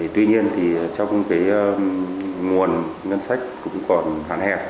tuy nhiên trong nguồn ngân sách cũng còn hạn hẹn